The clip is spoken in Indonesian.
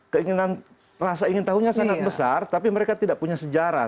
keinginan rasa ingin tahunya sangat besar tapi mereka tidak punya sejarah